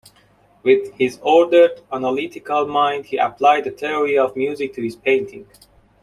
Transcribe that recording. With his ordered, analytical mind, he applied the theory of music to his painting.